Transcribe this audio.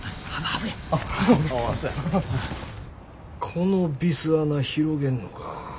このビス穴広げんのか。